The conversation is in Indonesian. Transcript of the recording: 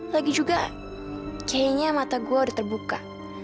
lagi juga kayaknya mata gue udah terbuka